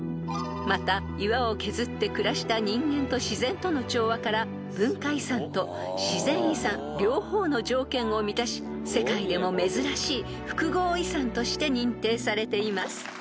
［また岩を削って暮らした人間と自然との調和から文化遺産と自然遺産両方の条件を満たし世界でも珍しい複合遺産として認定されています］